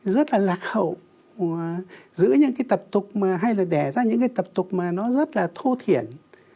rất là lạc hậu giữa những cái tập tục mà hay là đẻ ra những cái tập tục mà nó rất là thô thiển